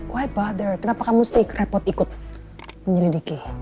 why bother kenapa kamu musti repot ikut menyelidiki